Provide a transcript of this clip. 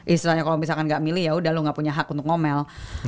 istilahnya kalau misalkan nggak milih ya udah lu gak punya hak untuk ngomel